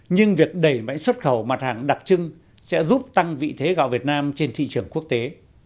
nhưng việc đẩy mạnh xuất khẩu mặt hàng đặc trưng sẽ giúp tăng vị thế gạo việt nam trên thị trường quốc tế